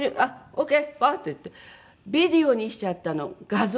オーケー」バッ！ってやってビデオにしちゃったの画像で。